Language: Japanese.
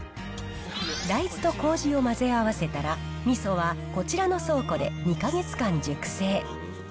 大豆とこうじを混ぜ合わせたら、みそはこちらの倉庫で２か月間熟成。